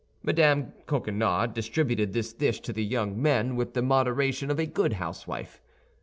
Mme. Coquenard distributed this dish to the young men with the moderation of a good housewife.